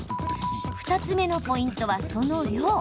２つ目のポイントは、その量。